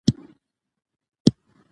لیکوال له ډېر پخوا راهیسې لیکنې کوي.